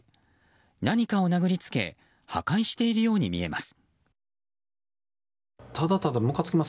何かを殴りつけ破壊しているように見えます。